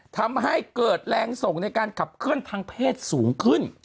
ทำให้เกิดแรงส่งในการขับเคลื่อนทางเพศสูงขึ้น